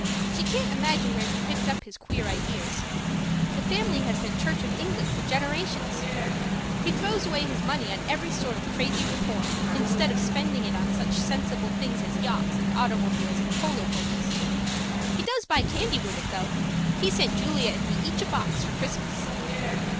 She can't imagine where he picked up his queer ideas; the family have been Church of England for generations. He throws away his money on every sort of crazy reform, instead of spending it on such sensible things as yachts and automobiles and polo ponies. He does buy candy with it though! He sent Julia and me each a box for Christmas.